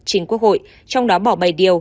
chính quốc hội trong đó bỏ bảy điều